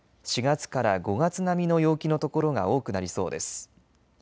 ４月から５月並みの陽気の所が多くなりそうです。